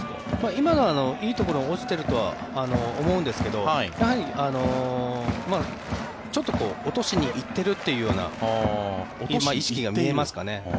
今のはいいところに落ちているとは思うんですがやはりちょっと落としに行ってるというような意識が見えますかね。